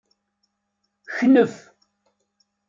Knef.